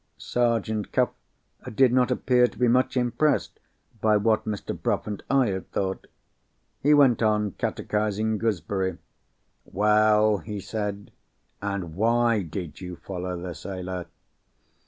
Sergeant Cuff did not appear to be much impressed by what Mr. Bruff and I had thought. He went on catechising Gooseberry. "Well?" he said—"and why did you follow the sailor?"